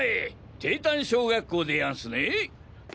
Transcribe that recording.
帝丹小学校でやんすね！